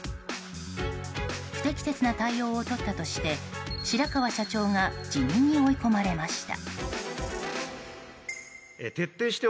不適切な対応を取ったとして白川社長が辞任に追い込まれました。